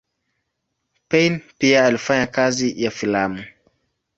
Payn pia alifanya kazi ya filamu.